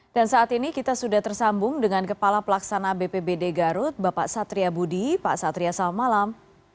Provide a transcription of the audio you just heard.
dan saat ini kita sudah tersambung dengan kepala pelaksana bpbd garut bapak satria budi pak satria selamat malam